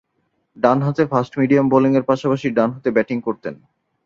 ডানহাতে ফাস্ট-মিডিয়াম বোলিংয়ের পাশাপাশি ডানহাতে ব্যাটিং করতেন।